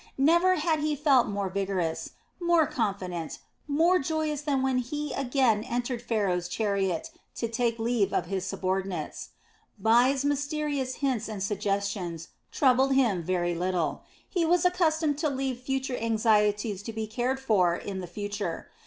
Never had he felt more vigorous, more confident, more joyous than when he again entered Pharaoh's chariot to take leave of his subordinates. Bai's mysterious hints and suggestions troubled him very little; he was accustomed to leave future anxieties to be cared for in the future.